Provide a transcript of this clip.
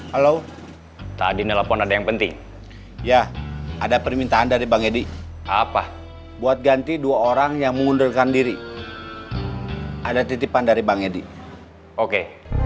halo tadi nelpon ada yang penting ya ada permintaan dari bang edi apa buat ganti dua orang yang mengundurkan diri ada titipan dari bang edi oke